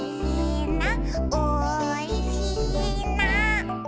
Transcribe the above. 「おいしいな」